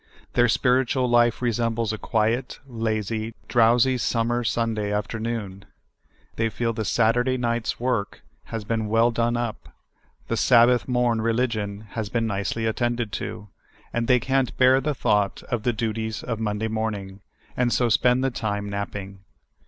Their spiritual life re sembles a quiet, lazy , drowsy summer Sunda}' afternoon. Thej^ feel the Saturday night's work has been well done up ; the Sabbath morn religion has been nicely attended to ; and they can't bear the thought of the duties of Monda}' morning, and so spend the time nap ing.